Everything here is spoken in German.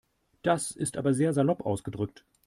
Das ist aber sehr salopp ausgedrückt.